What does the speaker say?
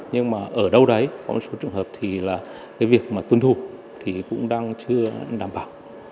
nhưng mà ở đâu đấy có một số trường hợp thì việc tuân thủ cũng đang chưa đảm bảo